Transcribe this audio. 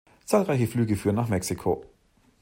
Zahlreiche Flüge führen nach Mexiko.